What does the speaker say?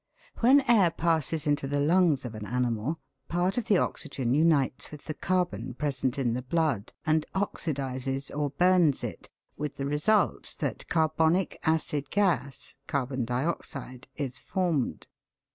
When air passes into the lungs of an animal, part of the oxygen unites with the carbon present in the blood and oxidises or burns it, with the result that carbonic acid gas (carbon dioxide) is formed.